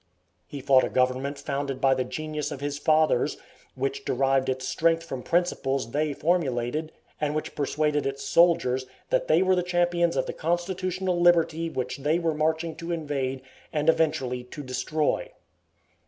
He fought a government founded by the genius of his fathers, which derived its strength from principles they formulated, and which persuaded its soldiers that they were the champions of the constitutional liberty which they were marching to invade, and eventually to destroy.